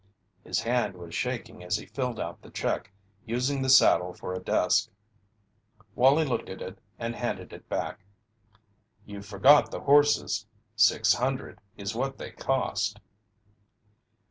His hand was shaking as he filled out the check, using the saddle for a desk. Wallie looked at it and handed it back. "You forgot the horses six hundred is what they cost."